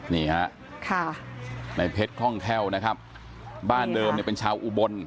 นี่ฮะในเพชรข้องแค่วนะครับบ้านเดิมเป็นชาวอุบล